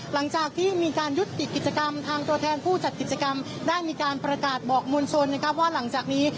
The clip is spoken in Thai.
หลังจากที่มีการยุติกิจกรรมทางตัวแทนผู้จัดกิจกรรมได้มีการประกาศบอกมวลชนนะครับว่าหลังจากนี้